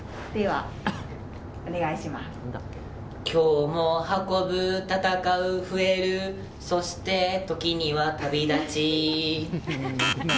今日も運ぶ、戦う、増えるそして、時には旅立ち。